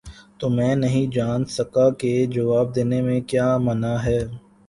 تو میں نہیں جان سکا کہ جواب دینے میں کیا مانع ہے؟